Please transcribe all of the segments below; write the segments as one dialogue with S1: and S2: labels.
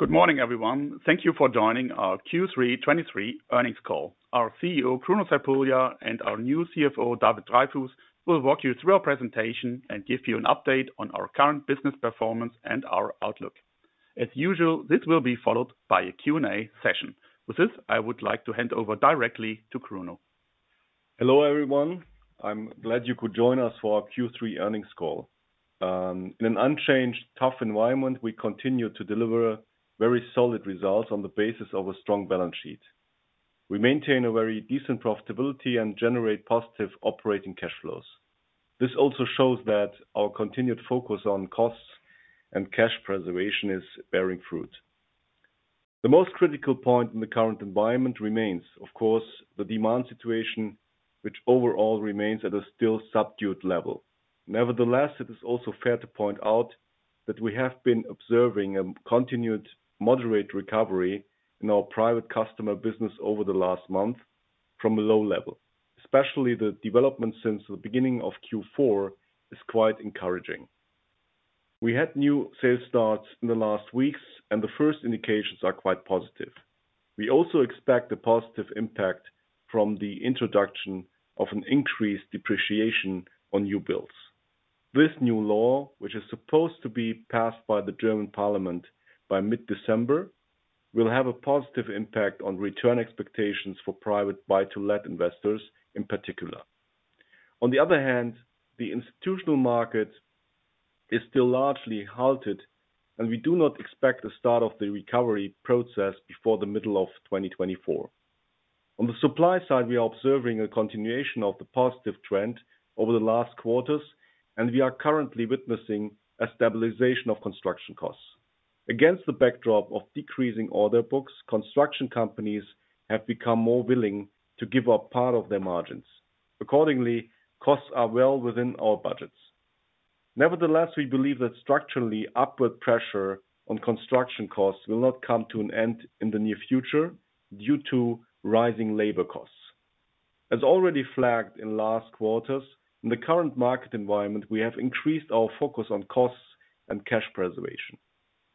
S1: Good morning, everyone. Thank you for joining our Q3 2023 earnings call. Our CEO, Kruno Crepulja, and our new CFO, David Dreyfus, will walk you through our presentation and give you an update on our current business performance and our outlook. As usual, this will be followed by a Q&A session. With this, I would like to hand over directly to Kruno.
S2: Hello, everyone. I'm glad you could join us for our Q3 earnings call. In an unchanged, tough environment, we continue to deliver very solid results on the basis of a strong balance sheet. We maintain a very decent profitability and generate positive operating cash flows. This also shows that our continued focus on costs and cash preservation is bearing fruit. The most critical point in the current environment remains, of course, the demand situation, which overall remains at a still subdued level. Nevertheless, it is also fair to point out that we have been observing a continued moderate recovery in our private customer business over the last month from a low level. Especially the development since the beginning of Q4 is quite encouraging. We had new sales starts in the last weeks, and the first indications are quite positive. We also expect a positive impact from the introduction of an increased depreciation on new builds. This new law, which is supposed to be passed by the German parliament by mid-December, will have a positive impact on return expectations for private buy-to-let investors, in particular. On the other hand, the institutional market is still largely halted, and we do not expect a start of the recovery process before the middle of 2024. On the supply side, we are observing a continuation of the positive trend over the last quarters, and we are currently witnessing a stabilization of construction costs. Against the backdrop of decreasing order books, construction companies have become more willing to give up part of their margins. Accordingly, costs are well within our budgets. Nevertheless, we believe that structurally, upward pressure on construction costs will not come to an end in the near future due to rising labor costs. As already flagged in last quarters, in the current market environment, we have increased our focus on costs and cash preservation.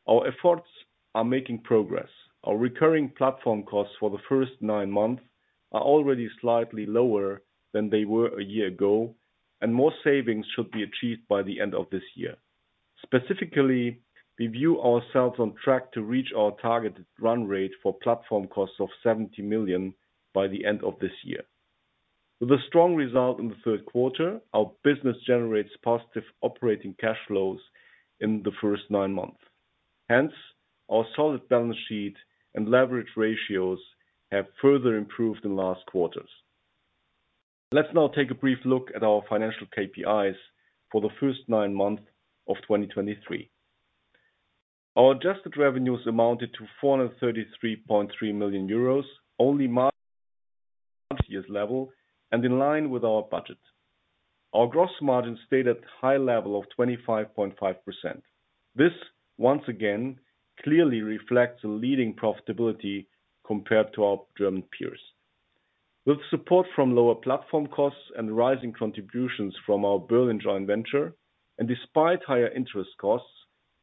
S2: Our efforts are making progress. Our recurring platform costs for the first 9 months are already slightly lower than they were a year ago, and more savings should be achieved by the end of this year. Specifically, we view ourselves on track to reach our targeted run rate for platform costs of 70 million by the end of this year. With a strong result in the third quarter, our business generates positive operating cash flows in the first 9 months. Hence, our solid balance sheet and leverage ratios have further improved in last quarters. Let's now take a brief look at our financial KPIs for the first nine months of 2023. Our adjusted revenues amounted to 433.3 million euros, only last year's level and in line with our budget. Our gross margin stayed at high level of 25.5%. This once again clearly reflects a leading profitability compared to our German peers. With support from lower platform costs and rising contributions from our Berlin joint venture, and despite higher interest costs,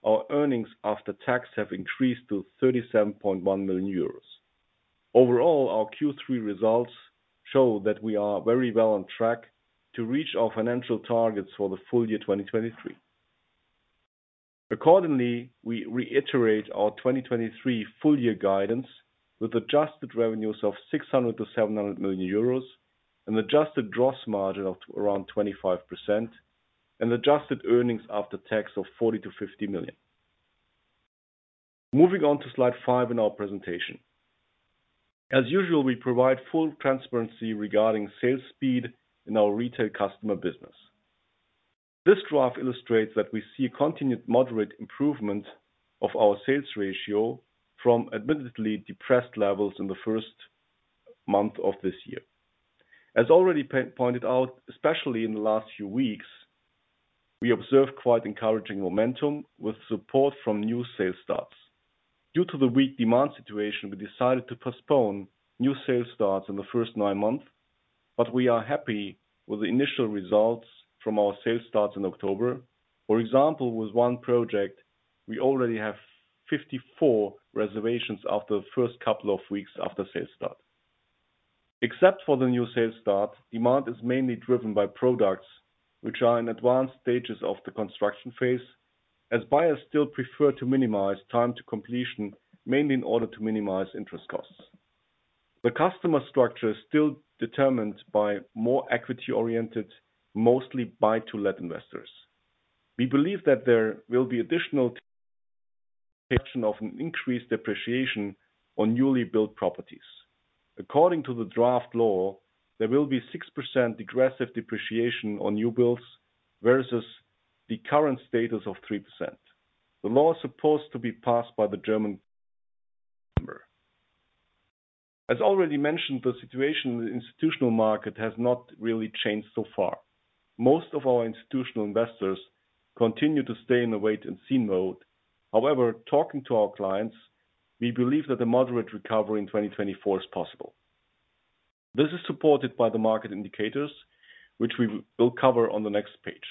S2: our earnings after tax have increased to 37.1 million euros. Overall, our Q3 results show that we are very well on track to reach our financial targets for the full year 2023. Accordingly, we reiterate our 2023 full year guidance with adjusted revenues of 600 million-700 million euros and adjusted gross margin of around 25% and adjusted earnings after tax of 40 million-50 million. Moving on to slide 5 in our presentation. As usual, we provide full transparency regarding sales speed in our retail customer business. This graph illustrates that we see a continued moderate improvement of our sales ratio from admittedly depressed levels in the first month of this year. As already pointed out, especially in the last few weeks, we observed quite encouraging momentum with support from new sales starts. Due to the weak demand situation, we decided to postpone new sales starts in the first nine months, but we are happy with the initial results from our sales starts in October. For example, with one project, we already have 54 reservations after the first couple of weeks after sales start. Except for the new sales start, demand is mainly driven by products which are in advanced stages of the construction phase, as buyers still prefer to minimize time to completion, mainly in order to minimize interest costs. The customer structure is still determined by more equity-oriented, mostly buy-to-let investors. We believe that there will be additional of an increased depreciation on newly built properties. According to the draft law, there will be 6% aggressive depreciation on new builds versus the current status of 3%. The law is supposed to be passed by the German... As already mentioned, the situation in the institutional market has not really changed so far. Most of our institutional investors continue to stay in a wait-and-see mode. However, talking to our clients, we believe that a moderate recovery in 2024 is possible... This is supported by the market indicators, which we will cover on the next page.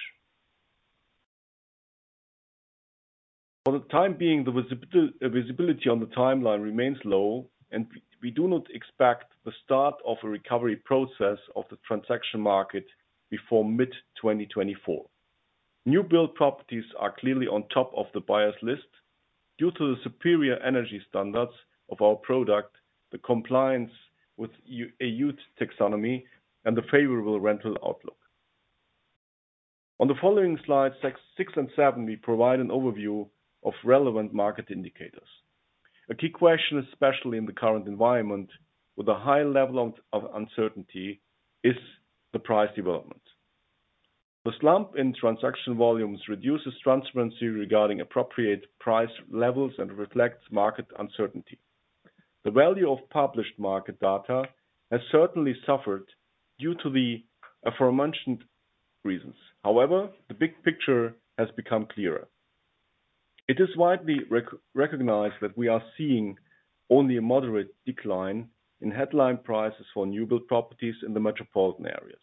S2: For the time being, the visibility on the timeline remains low, and we do not expect the start of a recovery process of the transaction market before mid-2024. New build properties are clearly on top of the buyers list due to the superior energy standards of our product, the compliance with EU Taxonomy, and the favorable rental outlook. On the following slides 6 and 7, we provide an overview of relevant market indicators. A key question, especially in the current environment with a high level of uncertainty, is the price development. The slump in transaction volumes reduces transparency regarding appropriate price levels and reflects market uncertainty. The value of published market data has certainly suffered due to the aforementioned reasons. However, the big picture has become clearer. It is widely recognized that we are seeing only a moderate decline in headline prices for new build properties in the metropolitan areas.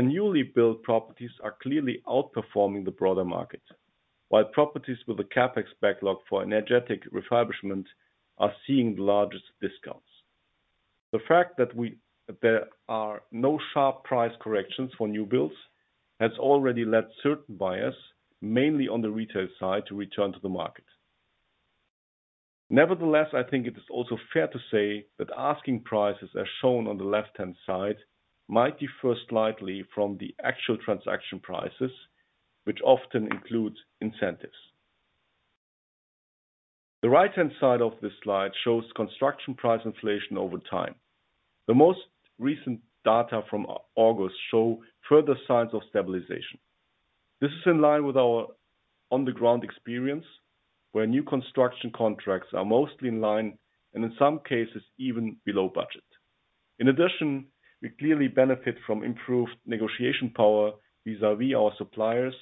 S2: Newly built properties are clearly outperforming the broader market, while properties with a CapEx backlog for energetic refurbishment are seeing the largest discounts. The fact that there are no sharp price corrections for new builds has already led certain buyers, mainly on the retail side, to return to the market. Nevertheless, I think it is also fair to say that asking prices, as shown on the left-hand side, might differ slightly from the actual transaction prices, which often include incentives. The right-hand side of this slide shows construction price inflation over time. The most recent data from August show further signs of stabilization. This is in line with our on-the-ground experience, where new construction contracts are mostly in line and in some cases, even below budget. In addition, we clearly benefit from improved negotiation power vis-a-vis our suppliers,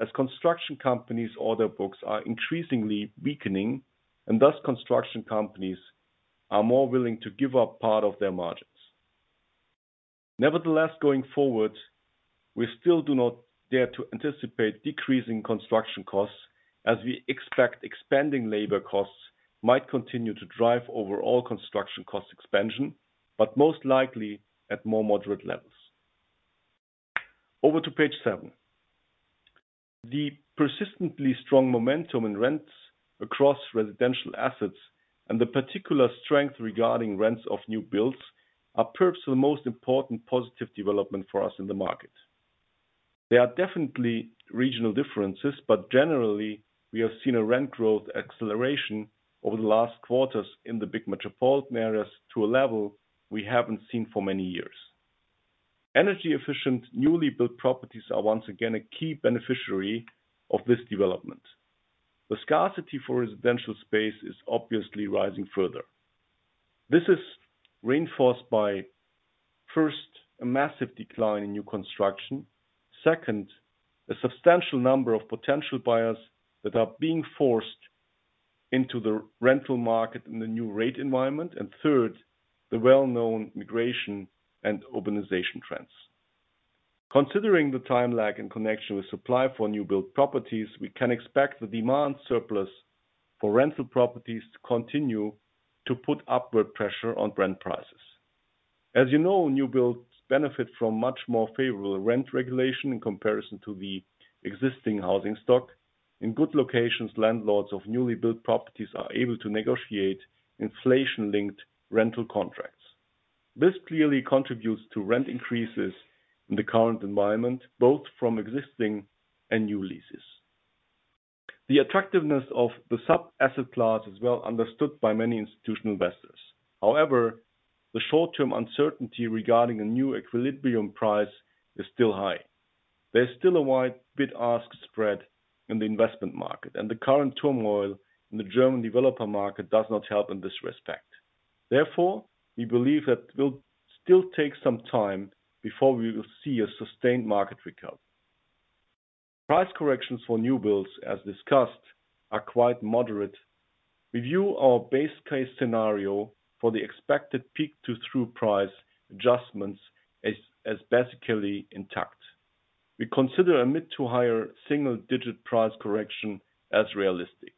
S2: as construction companies' order books are increasingly weakening, and thus construction companies are more willing to give up part of their margins. Nevertheless, going forward, we still do not dare to anticipate decreasing construction costs, as we expect expanding labor costs might continue to drive overall construction cost expansion, but most likely at more moderate levels. Over to page seven. The persistently strong momentum in rents across residential assets and the particular strength regarding rents of new builds are perhaps the most important positive development for us in the market. There are definitely regional differences, but generally, we have seen a rent growth acceleration over the last quarters in the big metropolitan areas to a level we haven't seen for many years. Energy-efficient, newly built properties are once again a key beneficiary of this development. The scarcity for residential space is obviously rising further. This is reinforced by, first, a massive decline in new construction. Second, a substantial number of potential buyers that are being forced into the rental market in the new rate environment. And third, the well-known migration and urbanization trends. Considering the time lag in connection with supply for new build properties, we can expect the demand surplus for rental properties to continue to put upward pressure on rent prices. As you know, new builds benefit from much more favorable rent regulation in comparison to the existing housing stock. In good locations, landlords of newly built properties are able to negotiate inflation-linked rental contracts. This clearly contributes to rent increases in the current environment, both from existing and new leases. The attractiveness of the sub-asset class is well understood by many institutional investors. However, the short-term uncertainty regarding the new equilibrium price is still high. There's still a wide bid-ask spread in the investment market, and the current turmoil in the German developer market does not help in this respect. Therefore, we believe that will still take some time before we will see a sustained market recovery. Price corrections for new builds, as discussed, are quite moderate. We view our base case scenario for the expected peak to trough price adjustments as basically intact. We consider a mid to higher single-digit price correction as realistic.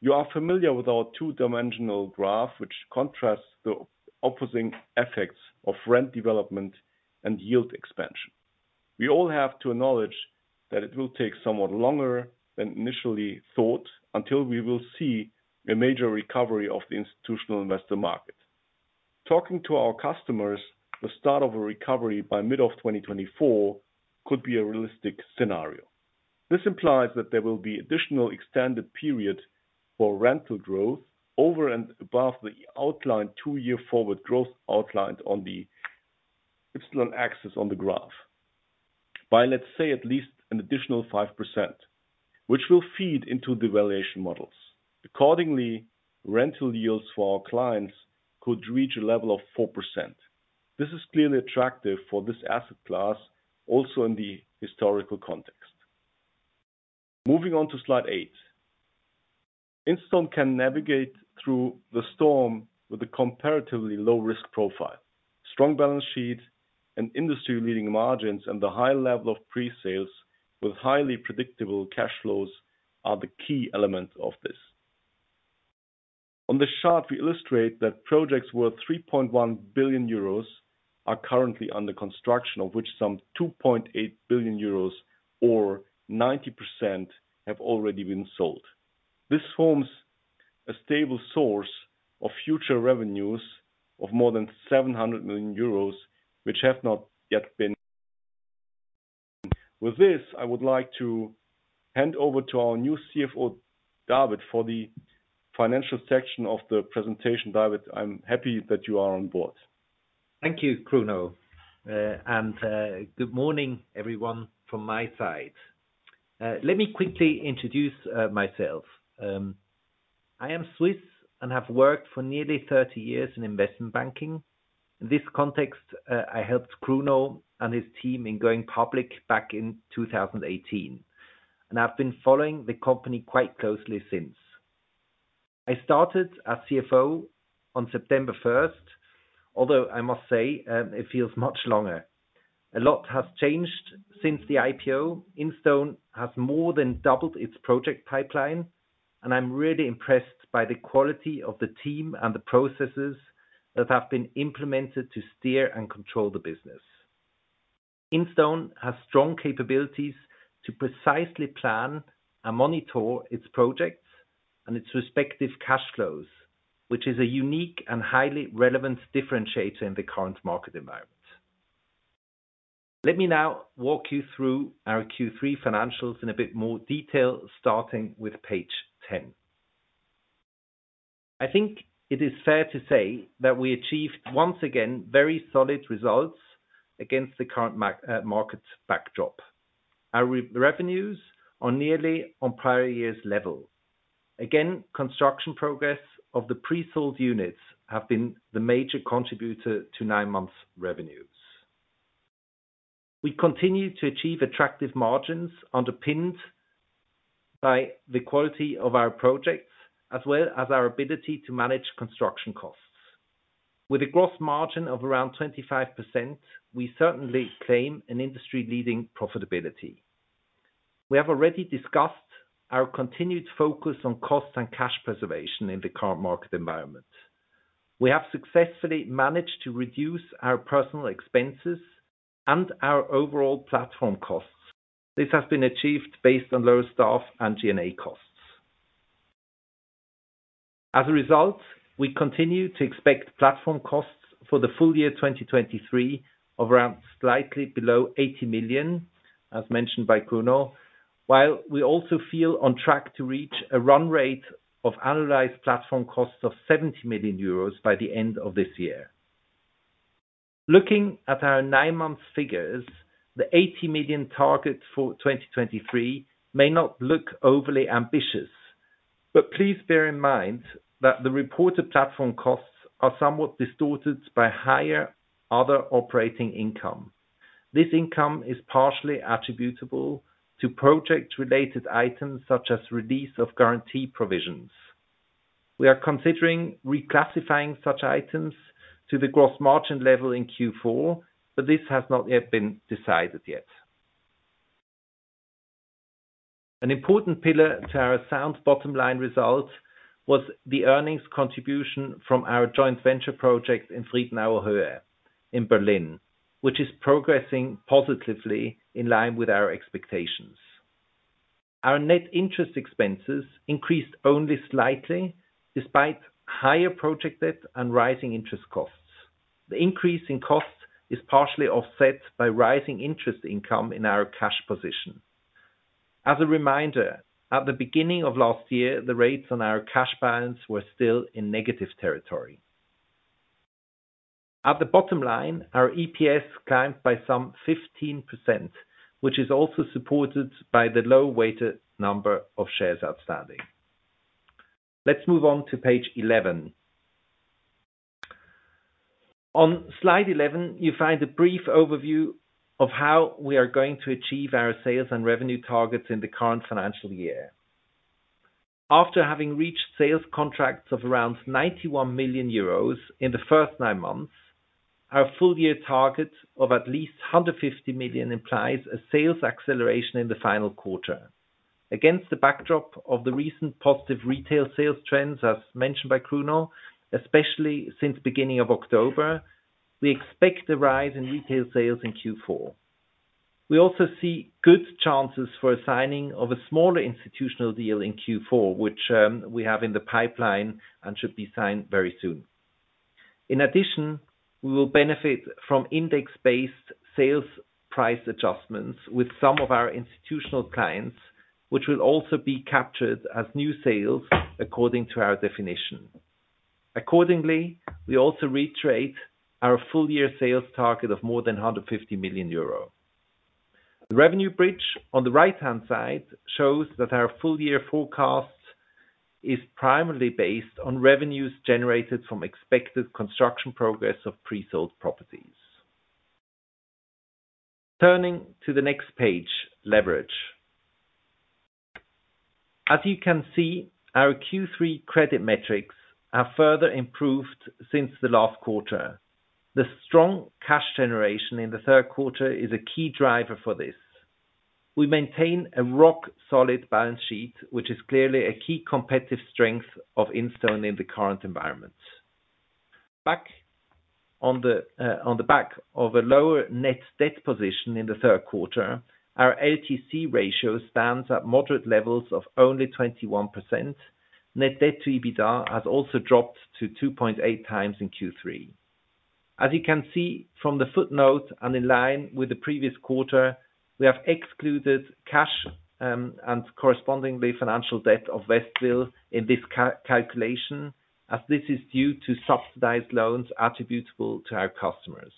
S2: You are familiar with our two-dimensional graph, which contrasts the opposing effects of rent development and yield expansion. We all have to acknowledge that it will take somewhat longer than initially thought, until we will see a major recovery of the institutional investor market. Talking to our customers, the start of a recovery by mid-2024 could be a realistic scenario. This implies that there will be additional extended period for rental growth over and above the outlined two-year forward growth outlined on the X-axis on the graph. By, let's say, at least an additional 5%, which will feed into the valuation models. Accordingly, rental yields for our clients could reach a level of 4%. This is clearly attractive for this asset class, also in the historical context... Moving on to slide 8. Instone can navigate through the storm with a comparatively low risk profile, strong balance sheet and industry-leading margins, and the high level of pre-sales with highly predictable cash flows are the key elements of this. On this chart, we illustrate that projects worth 3.1 billion euros are currently under construction, of which some 2.8 billion euros, or 90%, have already been sold. This forms a stable source of future revenues of more than 700 million euros, which have not yet been. With this, I would like to hand over to our new CFO, David, for the financial section of the presentation. David, I'm happy that you are on board.
S3: Thank you, Kruno. Good morning, everyone, from my side. Let me quickly introduce myself. I am Swiss and have worked for nearly 30 years in investment banking. In this context, I helped Kruno and his team in going public back in 2018, and I've been following the company quite closely since. I started as CFO on September 1, although I must say, it feels much longer. A lot has changed since the IPO. Instone has more than doubled its project pipeline, and I'm really impressed by the quality of the team and the processes that have been implemented to steer and control the business. Instone has strong capabilities to precisely plan and monitor its projects and its respective cash flows, which is a unique and highly relevant differentiator in the current market environment. Let me now walk you through our Q3 financials in a bit more detail, starting with page 10. I think it is fair to say that we achieved, once again, very solid results against the current market backdrop. Our revenues are nearly on prior years level. Again, construction progress of the pre-sold units have been the major contributor to nine months revenues. We continue to achieve attractive margins underpinned by the quality of our projects, as well as our ability to manage construction costs. With a gross margin of around 25%, we certainly claim an industry-leading profitability. We have already discussed our continued focus on cost and cash preservation in the current market environment. We have successfully managed to reduce our personal expenses and our overall platform costs. This has been achieved based on lower staff and G&A costs. As a result, we continue to expect platform costs for the full year 2023 of around slightly below 80 million, as mentioned by Kruno, while we also feel on track to reach a run rate of annualized platform costs of 70 million euros by the end of this year. Looking at our 9-month figures, the 80 million target for 2023 may not look overly ambitious, but please bear in mind that the reported platform costs are somewhat distorted by higher other operating income. This income is partially attributable to project-related items, such as release of guarantee provisions. We are considering reclassifying such items to the gross margin level in Q4, but this has not yet been decided yet. An important pillar to our sound bottom line result was the earnings contribution from our joint venture project in Friedenauer Höhe in Berlin, which is progressing positively in line with our expectations. Our net interest expenses increased only slightly despite higher project debt and rising interest costs. The increase in costs is partially offset by rising interest income in our cash position. As a reminder, at the beginning of last year, the rates on our cash balance were still in negative territory. At the bottom line, our EPS climbed by some 15%, which is also supported by the low weighted number of shares outstanding. Let's move on to page 11. On slide 11, you find a brief overview of how we are going to achieve our sales and revenue targets in the current financial year. After having reached sales contracts of around 91 million euros in the first nine months, our full year target of at least 150 million implies a sales acceleration in the final quarter. Against the backdrop of the recent positive retail sales trends, as mentioned by Kruno, especially since beginning of October, we expect a rise in retail sales in Q4. We also see good chances for a signing of a smaller institutional deal in Q4, which, we have in the pipeline and should be signed very soon. In addition, we will benefit from index-based sales price adjustments with some of our institutional clients, which will also be captured as new sales according to our definition. Accordingly, we also reiterate our full year sales target of more than 150 million euro. The revenue bridge on the right-hand side shows that our full year forecast is primarily based on revenues generated from expected construction progress of pre-sold properties. Turning to the next page: leverage. As you can see, our Q3 credit metrics have further improved since the last quarter. The strong cash generation in the third quarter is a key driver for this. We maintain a rock-solid balance sheet, which is clearly a key competitive strength of Instone in the current environment. Back on the, on the back of a lower net debt position in the third quarter, our LTC ratio stands at moderate levels of only 21%. Net debt to EBITDA has also dropped to 2.8x in Q3. As you can see from the footnote and in line with the previous quarter, we have excluded cash, and correspondingly financial debt of Westville in this calculation, as this is due to subsidized loans attributable to our customers.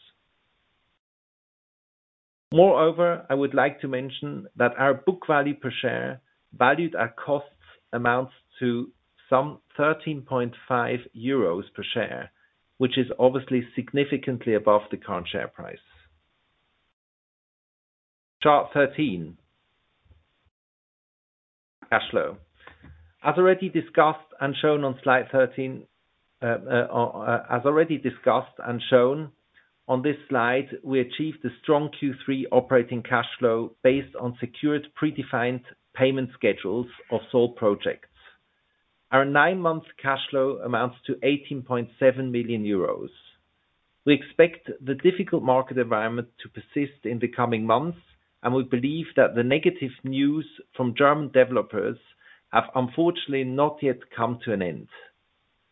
S3: Moreover, I would like to mention that our book value per share, valued at costs, amounts to some 13.5 euros per share, which is obviously significantly above the current share price. Chart 13. Cash flow. As already discussed and shown on slide 13, as already discussed and shown on this slide, we achieved a strong Q3 operating cash flow based on secured predefined payment schedules of sold projects. Our nine-month cash flow amounts to 18.7 million euros. We expect the difficult market environment to persist in the coming months, and we believe that the negative news from German developers have unfortunately not yet come to an end.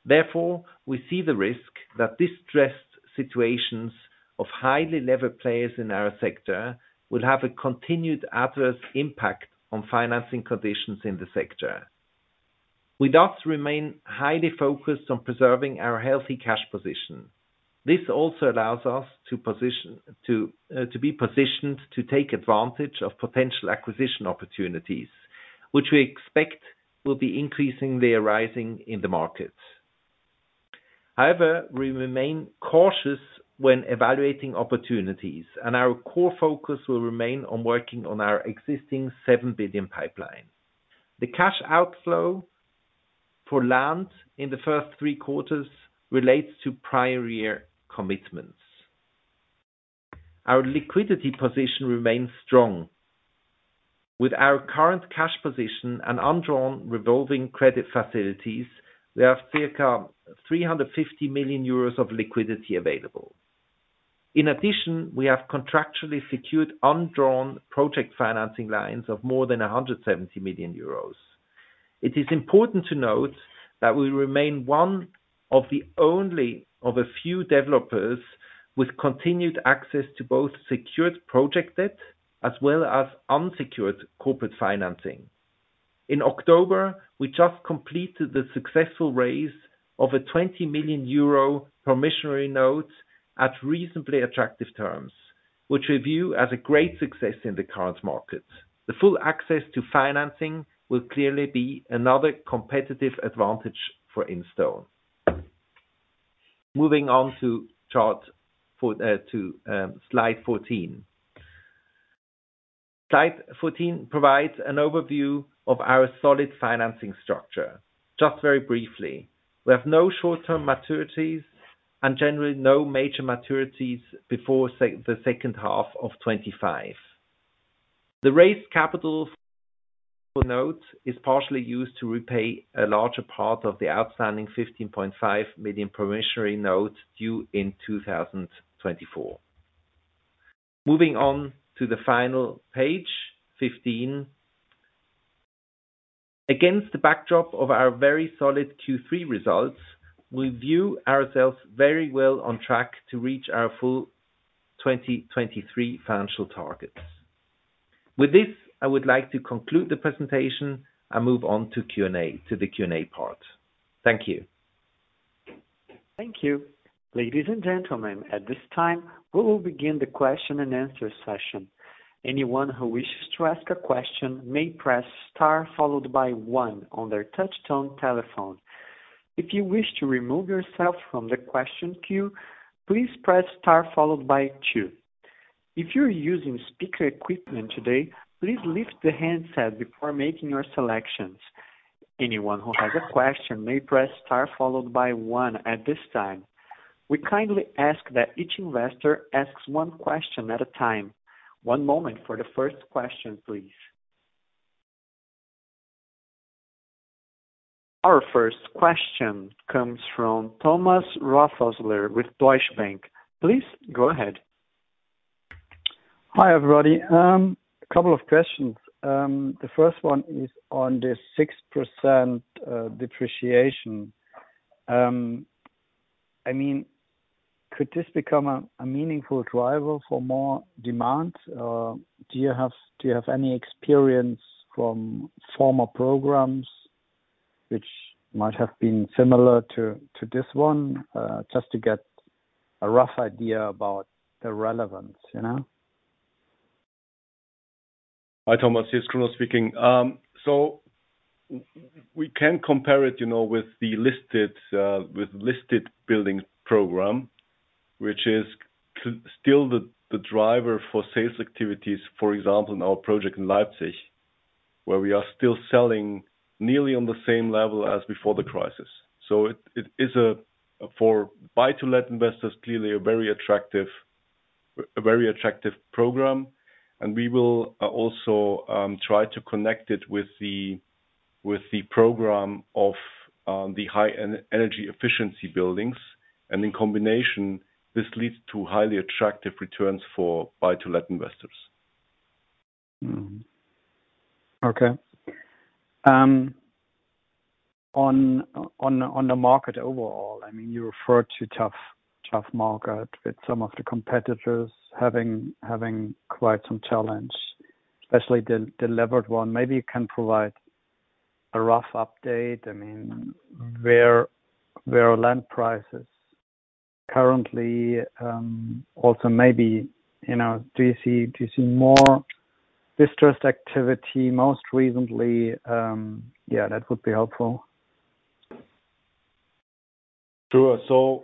S3: Therefore, we see the risk that distressed situations of highly levered players in our sector will have a continued adverse impact on financing conditions in the sector. We thus remain highly focused on preserving our healthy cash position. This also allows us to position to, to be positioned to take advantage of potential acquisition opportunities, which we expect will be increasingly arising in the market. However, we remain cautious when evaluating opportunities, and our core focus will remain on working on our existing 7 billion pipeline. The cash outflow for land in the first three quarters relates to prior year commitments. Our liquidity position remains strong. With our current cash position and undrawn revolving credit facilities, we have circa 350 million euros of liquidity available. In addition, we have contractually secured undrawn project financing lines of more than 170 million euros. It is important to note that we remain one of the only of a few developers with continued access to both secured project debt as well as unsecured corporate financing. In October, we just completed the successful raise of a 20 million euro promissory note at reasonably attractive terms, which we view as a great success in the current market. The full access to financing will clearly be another competitive advantage for Instone. Moving on to chart 4, slide 14. Slide 14 provides an overview of our solid financing structure. Just very briefly, we have no short-term maturities and generally no major maturities before the second half of 2025. The raised capital notes is partially used to repay a larger part of the outstanding 15.5 million promissory notes due in 2024. Moving on to the final page, 15. Against the backdrop of our very solid Q3 results, we view ourselves very well on track to reach our full 2023 financial targets. With this, I would like to conclude the presentation and move on to Q&A, to the Q&A part. Thank you.
S4: Thank you. Ladies and gentlemen, at this time, we will begin the question-and-answer session. Anyone who wishes to ask a question may press star, followed by one on their touchtone telephone. If you wish to remove yourself from the question queue, please press star followed by two. If you're using speaker equipment today, please lift the handset before making your selections. Anyone who has a question may press star, followed by one at this time. We kindly ask that each investor asks one question at a time. One moment for the first question, please. Our first question comes from Thomas Rothaeusler with Deutsche Bank. Please go ahead.
S5: Hi, everybody. A couple of questions. The first one is on the 6% depreciation. I mean, could this become a meaningful driver for more demand? Or do you have any experience from former programs which might have been similar to this one? Just to get a rough idea about the relevance, you know? ...
S2: Hi, Thomas, here's Kruno speaking. So we can compare it, you know, with the listed building program, which is still the driver for sales activities, for example, in our project in Leipzig, where we are still selling nearly on the same level as before the crisis. So it is, for buy-to-let investors, clearly a very attractive program, and we will also try to connect it with the program of the high energy efficiency buildings. And in combination, this leads to highly attractive returns for buy-to-let investors.
S5: Okay. On the market overall, I mean, you referred to tough, tough market with some of the competitors having quite some challenge, especially the delivered one. Maybe you can provide a rough update. I mean, where are land prices currently? Yeah, that would be helpful.
S2: Sure. So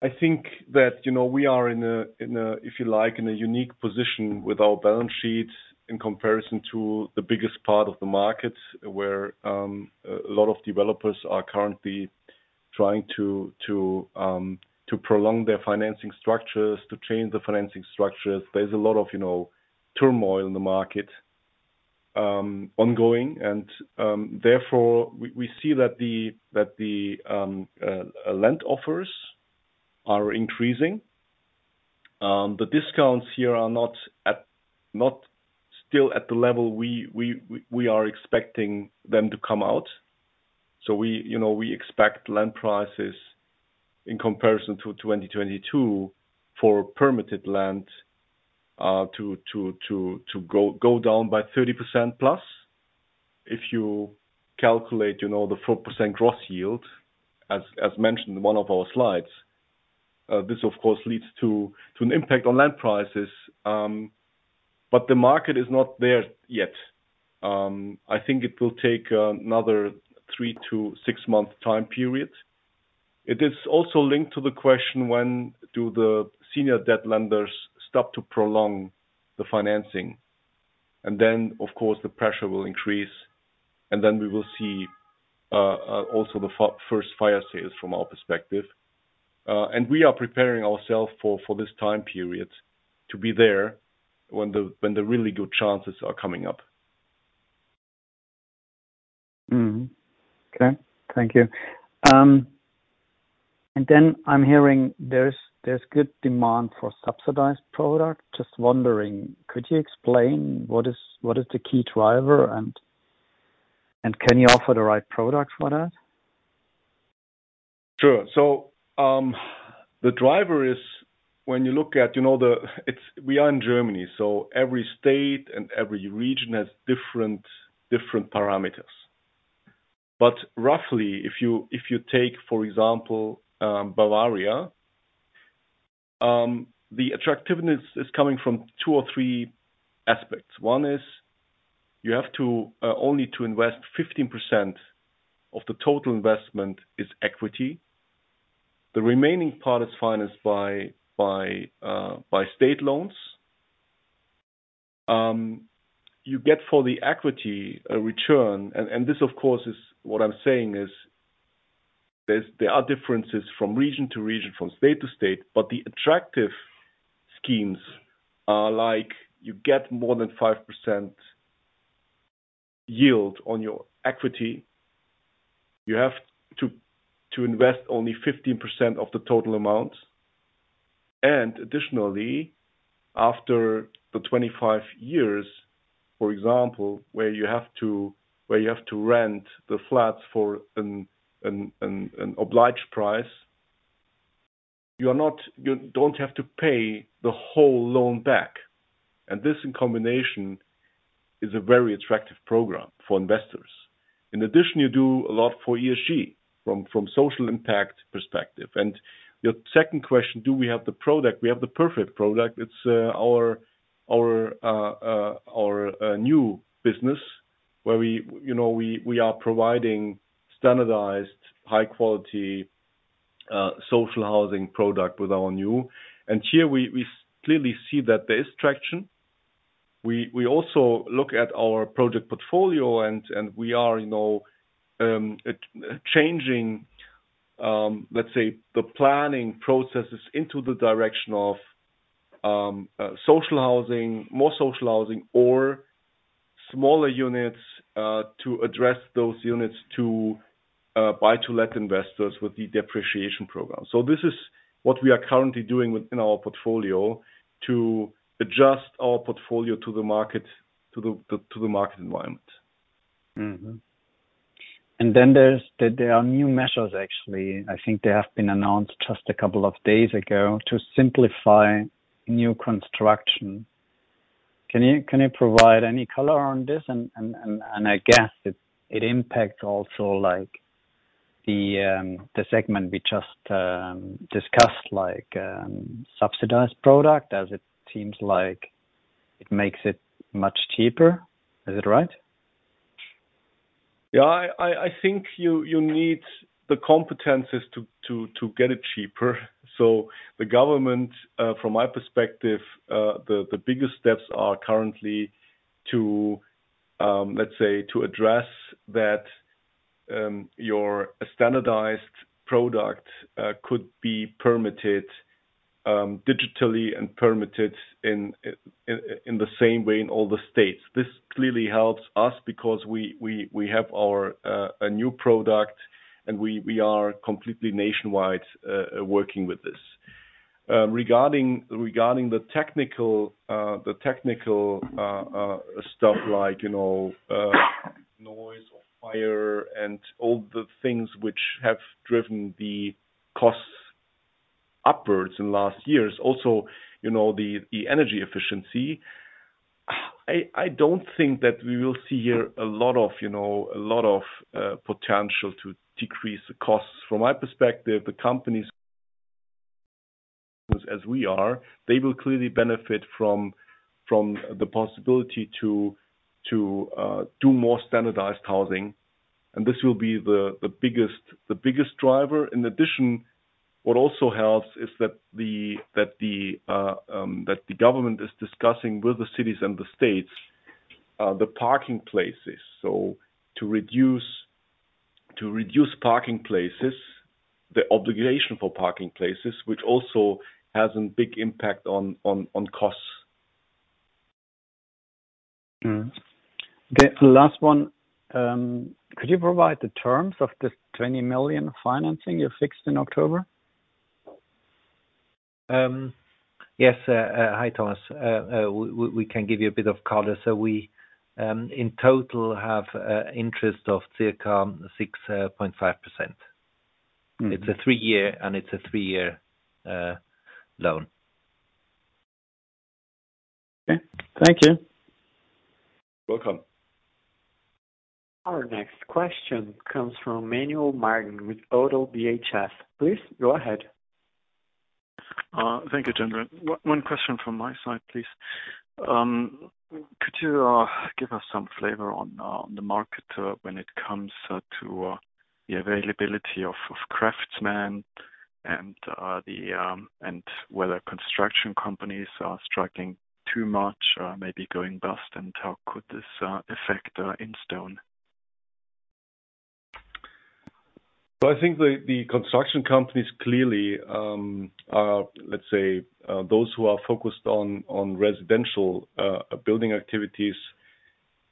S2: I think that, you know, we are in a, if you like, in a unique position with our balance sheet in comparison to the biggest part of the market, where a lot of developers are currently trying to prolong their financing structures, to change the financing structures. There's a lot of, you know, turmoil in the market, ongoing, and therefore, we see that the land offers are increasing. The discounts here are not still at the level we are expecting them to come out. So we, you know, we expect land prices in comparison to 2022 for permitted land to go down by 30%+. If you calculate, you know, the 4% gross yield, as mentioned in one of our slides, this, of course, leads to an impact on land prices, but the market is not there yet. I think it will take another 3-6-month time period. It is also linked to the question, when do the senior debt lenders stop to prolong the financing? And then, of course, the pressure will increase, and then we will see also the first fire sales from our perspective. And we are preparing ourselves for this time period to be there when the really good chances are coming up.
S5: Mm-hmm. Okay. Thank you. And then I'm hearing there's good demand for subsidized product. Just wondering, could you explain what is the key driver and can you offer the right product for that?
S2: Sure. So, the driver is when you look at, you know, the... It's-- We are in Germany, so every state and every region has different, different parameters. But roughly, if you, if you take, for example, Bavaria, the attractiveness is coming from two or three aspects. One is you have to only to invest 15% of the total investment is equity. The remaining part is financed by, by, by state loans. You get for the equity a return, and, and this, of course, is what I'm saying is there's, there are differences from region to region, from state to state, but the attractive schemes are like, you get more than 5% yield on your equity. You have to invest only 15% of the total amount, and additionally, after the 25 years, for example, where you have to rent the flats for an obliged price, you are not, you don't have to pay the whole loan back. This, in combination, is a very attractive program for investors. In addition, you do a lot for ESG, from social impact perspective. Your second question, do we have the product? We have the perfect product. It's our new business, where you know, we are providing standardized, high-quality social housing product with our new. And here we clearly see that there is traction. We also look at our project portfolio and we are, you know, changing, let's say, the planning processes into the direction of social housing, more social housing or smaller units, to address those units to buy-to-let investors with the depreciation program. So this is what we are currently doing within our portfolio, to adjust our portfolio to the market environment.
S5: Mm-hmm. And then there are new measures, actually, I think they have been announced just a couple of days ago, to simplify new construction. Can you provide any color on this? And I guess it impacts also like the segment we just discussed, like subsidized product, as it seems like it makes it much cheaper. Is it right?
S2: Yeah, I think you need the competencies to get it cheaper. So the government, from my perspective, the biggest steps are currently to, let's say to address that, your standardized product could be permitted digitally and permitted in the same way in all the states. This clearly helps us because we have our a new product, and we are completely nationwide working with this. Regarding the technical stuff like, you know, noise or fire and all the things which have driven the costs upwards in last years. Also, you know, the energy efficiency. I don't think that we will see here a lot of, you know, a lot of potential to decrease the costs. From my perspective, the companies as we are, they will clearly benefit from the possibility to do more standardized housing, and this will be the biggest driver. In addition, what also helps is that the government is discussing with the cities and the states the parking places. So to reduce parking places, the obligation for parking places, which also has a big impact on costs.
S5: Okay, the last one. Could you provide the terms of this 20 million financing you fixed in October?
S3: Yes, hi, Thomas. We can give you a bit of color. So we in total have interest of circa 6.5%.
S5: Mm.
S3: It's a three-year loan.
S5: Okay. Thank you.
S2: Welcome.
S4: Our next question comes from Manuel Martin with ODDO BHF. Please go ahead.
S6: Thank you, Jennifer. One question from my side, please. Could you give us some flavor on the market when it comes to the availability of craftsmen and whether construction companies are striking too much, maybe going bust? And how could this affect Instone?
S2: So I think the construction companies, clearly, are, let's say, those who are focused on residential building activities,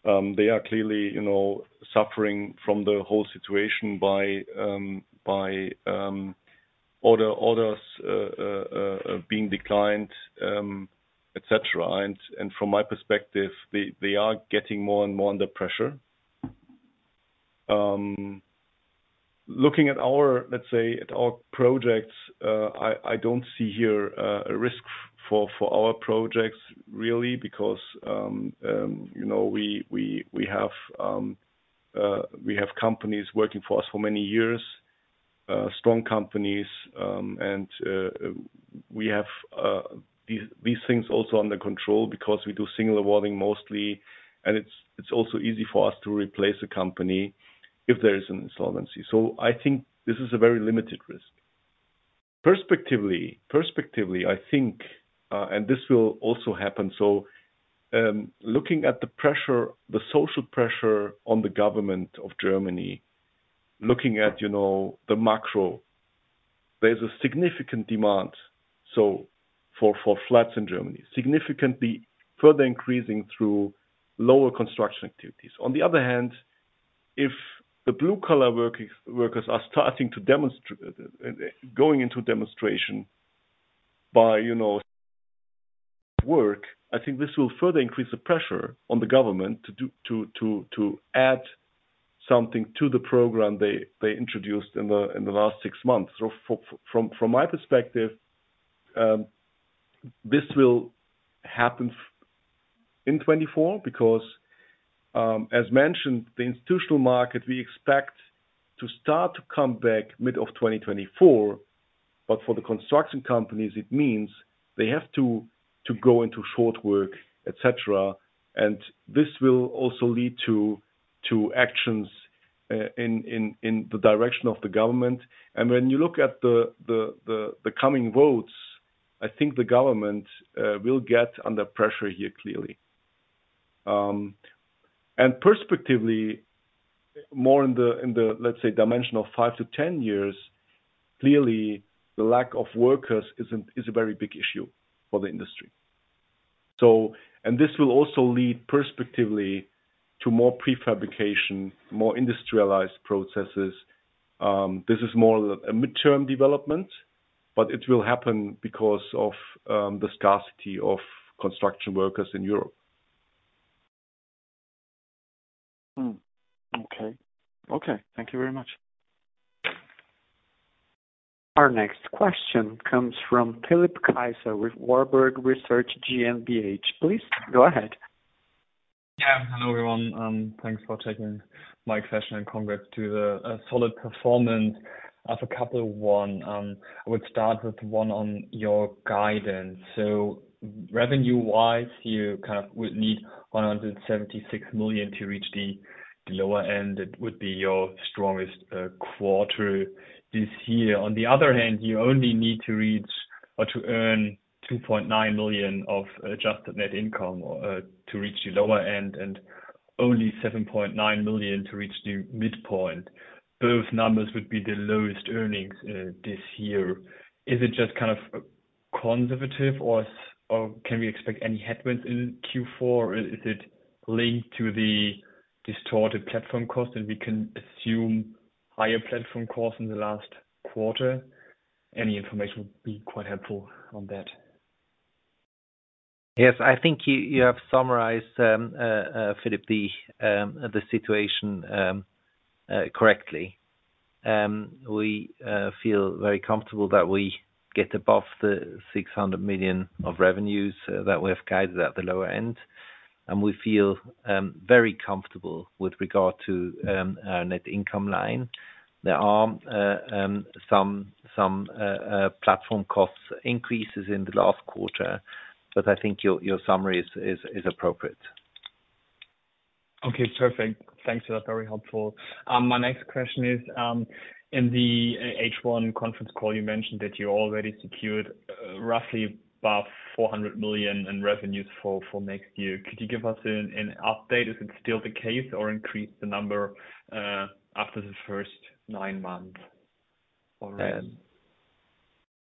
S2: they are clearly, you know, suffering from the whole situation by orders being declined, et cetera. And from my perspective, they are getting more and more under pressure. Looking at our projects, I don't see here a risk for our projects really, because you know, we have companies working for us for many years, strong companies, and we have these things also under control because we do single awarding mostly, and it's also easy for us to replace a company if there is an insolvency. I think this is a very limited risk. Prospectively, I think, and this will also happen, so, looking at the pressure, the social pressure on the government of Germany, looking at, you know, the macro, there's a significant demand, so for flats in Germany, significantly further increasing through lower construction activities. On the other hand, if the blue-collar workers are starting to demonstrate, going into demonstrations by, you know, work, I think this will further increase the pressure on the government to do, to add something to the program they introduced in the last six months. So from my perspective, this will happen in 2024, because, as mentioned, the institutional market, we expect to start to come back mid-2024, but for the construction companies, it means they have to go into short work, et cetera. And this will also lead to actions in the direction of the government. And when you look at the coming votes, I think the government will get under pressure here, clearly. And perspectively, more in the, let's say, dimension of 5-10 years, clearly, the lack of workers is a very big issue for the industry. So, and this will also lead perspectively to more prefabrication, more industrialized processes. This is more a midterm development, but it will happen because of the scarcity of construction workers in Europe.
S6: Hmm, okay. Okay, thank you very much....
S4: Our next question comes from Philipp Kaiser with Warburg Research GmbH. Please go ahead.
S7: Yeah. Hello, everyone. Thanks for taking my question, and congrats to the solid performance of Q3. I would start with one on your guidance. So revenue-wise, you kind of would need 176 million to reach the lower end. It would be your strongest quarter this year. On the other hand, you only need to reach or to earn 2.9 million of adjusted net income, or to reach the lower end, and only 7.9 million to reach the midpoint. Both numbers would be the lowest earnings this year. Is it just kind of conservative, or can we expect any headwinds in Q4? Or is it linked to the distorted platform costs, and we can assume higher platform costs in the last quarter? Any information would be quite helpful on that.
S3: Yes, I think you have summarized, Philip, the situation correctly. We feel very comfortable that we get above 600 million of revenues that we have guided at the lower end, and we feel very comfortable with regard to our net income line. There are some platform costs increases in the last quarter, but I think your summary is appropriate.
S7: Okay, perfect. Thanks for that. Very helpful. My next question is, in the H1 conference call, you mentioned that you already secured roughly above 400 million in revenues for next year. Could you give us an update? Is it still the case or increased the number after the first nine months already?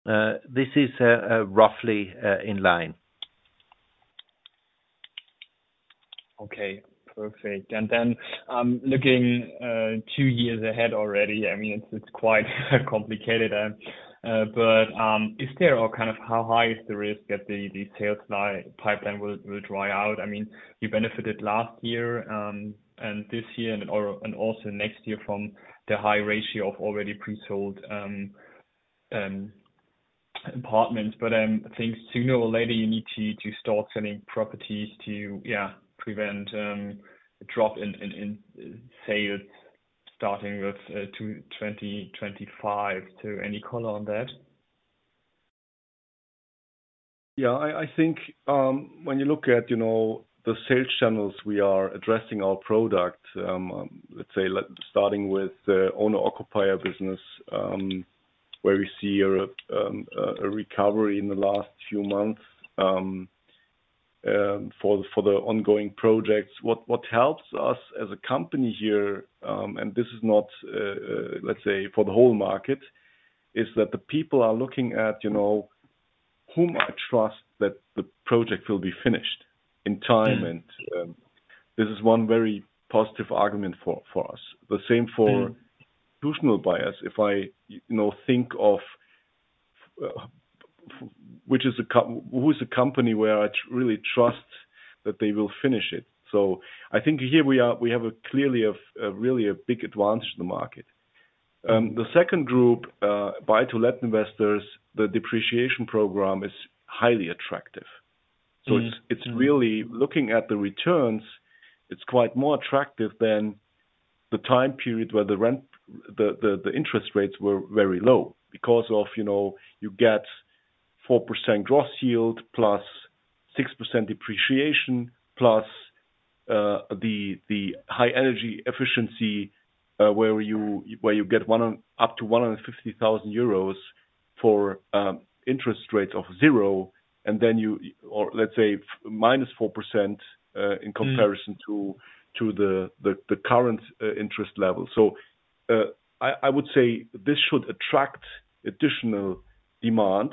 S3: This is roughly in line.
S7: Okay, perfect. And then, looking two years ahead already, I mean, it's quite complicated, but, is there or kind of how high is the risk that the sales pipeline will dry out? I mean, you benefited last year, and this year and, or, and also next year from the high ratio of already pre-sold apartments. But, I think sooner or later you need to start selling properties to, yeah, prevent a drop in sales starting with 2025. So any color on that?
S2: Yeah, I think, when you look at, you know, the sales channels, we are addressing our product, let's say starting with the owner-occupier business, where we see a recovery in the last few months, for the ongoing projects. What helps us as a company here, and this is not, let's say, for the whole market, is that the people are looking at, you know, whom I trust that the project will be finished in time, and this is one very positive argument for us. The same for institutional buyers. If I, you know, think of a company where I really trust that they will finish it. So I think here we are. We have clearly a really big advantage to the market. The second group, buy-to-let investors, the depreciation program is highly attractive.
S7: Mm-hmm.
S2: It's really looking at the returns. It's quite more attractive than the time period where the rent, the interest rates were very low because of, you know, you get 4% gross yield, plus 6% depreciation, plus the high energy efficiency where you get up to 150,000 euros for interest rate of 0%. And then you, or let's say -4%.
S7: Mm.
S2: In comparison to the current interest level. So, I would say this should attract additional demand.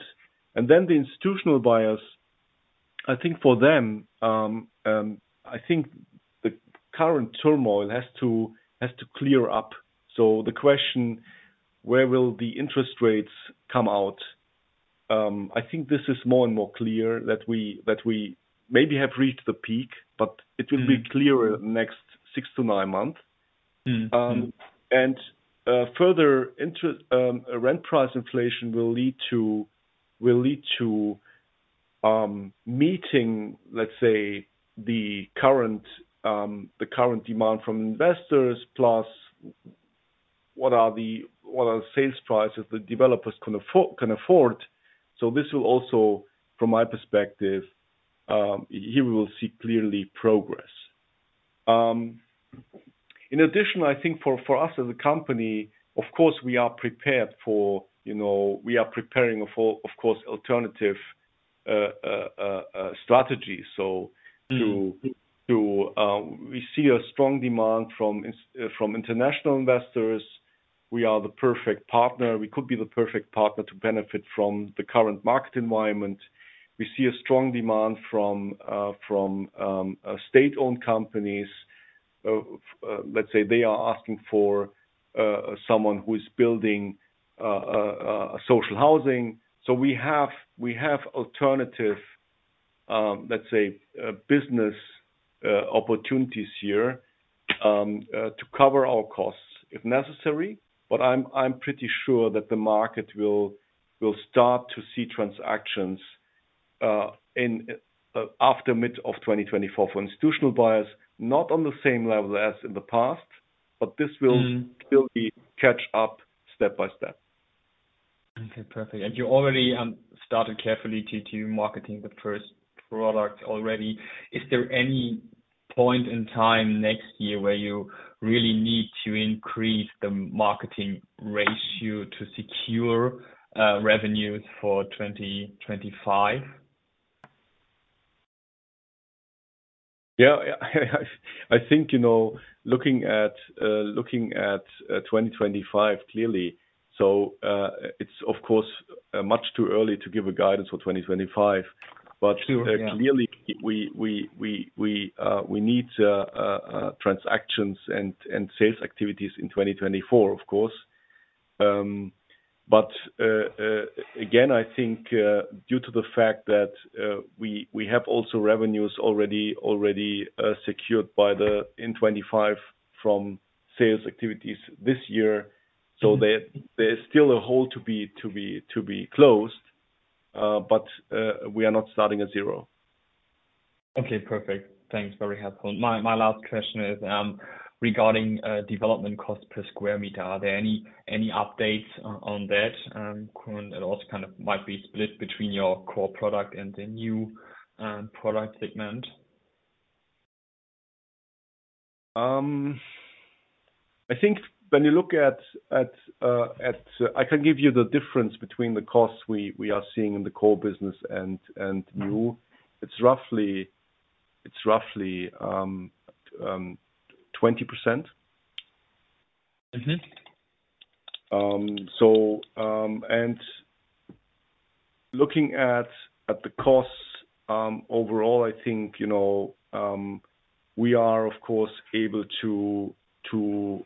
S2: And then the institutional buyers, I think for them, I think the current turmoil has to clear up. So the question: Where will the interest rates come out? I think this is more and more clear that we maybe have reached the peak, but it will-
S7: Mm.
S2: be clearer next 6-9 months.
S7: Mm-hmm.
S2: And further rent price inflation will lead to, will lead to meeting, let's say, the current, the current demand from investors, plus what are the, what are the sales prices the developers can afford? So this will also, from my perspective, here we will see clearly progress. In addition, I think for, for us as a company, of course, we are prepared for, you know, we are preparing for, of course, alternative strategies. So-
S7: Mm.
S2: too, to, we see a strong demand from international investors. We are the perfect partner. We could be the perfect partner to benefit from the current market environment. We see a strong demand from state-owned companies. Let's say they are asking for someone who is building social housing. So we have, let's say, business opportunities here to cover our costs if necessary. But I'm pretty sure that the market will start to see transactions in after mid-2024 for institutional buyers, not on the same level as in the past, but this will-
S7: Mm-hmm.
S2: Still, we'll catch up step by step.
S7: Okay, perfect. You already started carefully to marketing the first product already. Is there any point in time next year where you really need to increase the marketing ratio to secure revenues for 2025?
S2: Yeah, I think, you know, looking at 2025, clearly, so it's of course much too early to give a guidance for 2025.
S7: Sure, yeah.
S2: But clearly, we need transactions and sales activities in 2024, of course. But again, I think due to the fact that we have also revenues already secured by the N 25 from sales activities this year-
S7: Mm-hmm.
S2: There is still a hole to be closed, but we are not starting at zero.
S7: Okay, perfect. Thanks. Very helpful. My last question is regarding development cost per square meter. Are there any updates on that? Currently, it also kind of might be split between your core product and the new product segment.
S2: I think when you look at, I can give you the difference between the costs we are seeing in the core business and new.
S7: Mm-hmm.
S2: It's roughly 20%.
S7: Mm-hmm.
S2: Looking at the costs overall, I think, you know, we are, of course, able to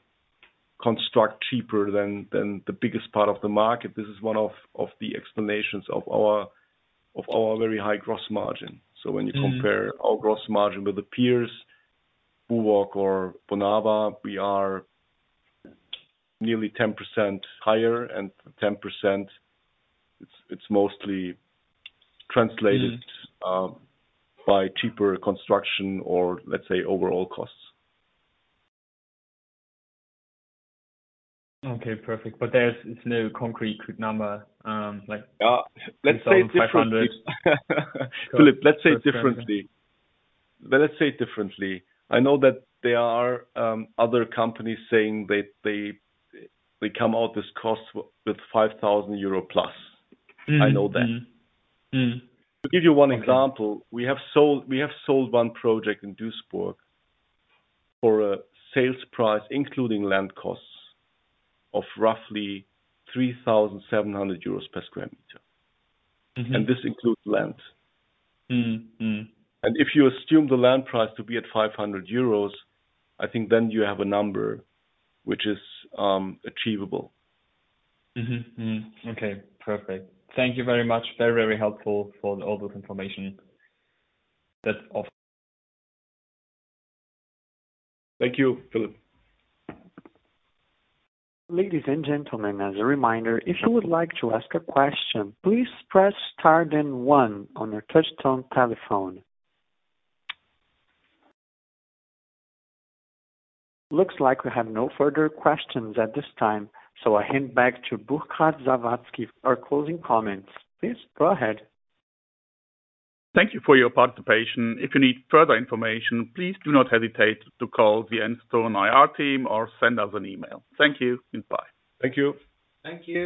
S2: construct cheaper than the biggest part of the market. This is one of the explanations of our very high gross margin.
S7: Mm-hmm.
S2: So when you compare our gross margin with the peers, Buwog or Vonovia, we are nearly 10% higher, and 10%, it's mostly translated-
S7: Mm-hmm...
S2: by cheaper construction or let's say, overall costs.
S7: Okay, perfect. But there's no concrete number, like-
S2: Let's say differently.
S7: Five hundred.
S2: Philip, let's say it differently. Let's say it differently. I know that there are other companies saying that they come out this cost with 5,000 euro plus.
S7: Mm-hmm.
S2: I know that.
S7: Mm-hmm.
S2: To give you one example-
S7: Okay...
S2: we have sold, we have sold one project in Duisburg for a sales price, including land costs, of roughly 3,700 euros per square meter.
S7: Mm-hmm.
S2: And this includes land.
S7: Mm-hmm. Mm-hmm.
S2: If you assume the land price to be at 500 euros, I think then you have a number which is achievable.
S7: Mm-hmm. Mm-hmm. Okay, perfect. Thank you very much. Very, very helpful for all this information. That's off.
S2: Thank you, Philip.
S4: Ladies and gentlemen, as a reminder, if you would like to ask a question, please press star then one on your touchtone telephone. Looks like we have no further questions at this time, so I hand back to Burkhard Sawazki for our closing comments. Please, go ahead.
S1: Thank you for your participation. If you need further information, please do not hesitate to call the Instone IR team or send us an email. Thank you, and bye.
S2: Thank you.
S7: Thank you.